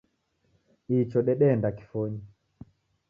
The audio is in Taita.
Icho dedeenda kifonyi